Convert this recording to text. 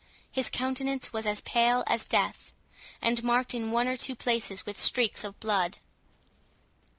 His countenance was as pale as death, and marked in one or two places with streaks of blood.